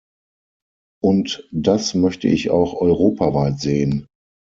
Und das möchte ich auch europaweit sehen.